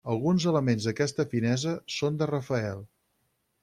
Alguns elements d'aquesta finesa són de Rafael.